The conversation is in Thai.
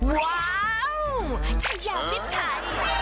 ว้าวชายาวิทยาลัย